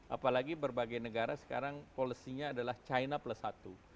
apalagi berbagai negara sekarang polisinya adalah china plus satu